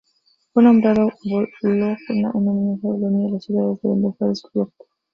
Fue nombrado Bologna en homenaje a Bolonia la ciudad desde donde fue descubierto.